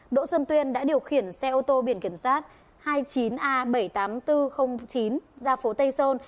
đỗ xuân tuyên đã điều khiển xe ô tô biển kiểm soát hai mươi chín a bảy mươi tám nghìn bốn trăm linh chín ra phố tây sơn